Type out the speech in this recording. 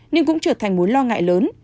nhưng cũng trở thành mối lo ngại lớn